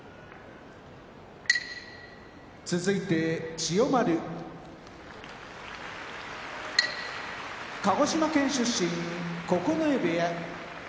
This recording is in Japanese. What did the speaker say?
千代丸鹿児島県出身九重部屋